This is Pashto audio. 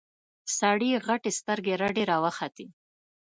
سړي غتې سترګې رډې راوختې.